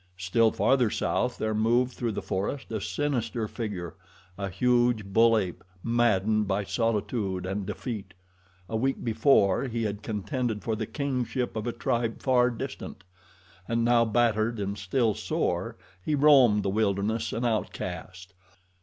Still farther south there moved through the forest a sinister figure a huge bull ape, maddened by solitude and defeat. A week before he had contended for the kingship of a tribe far distant, and now battered, and still sore, he roamed the wilderness an outcast.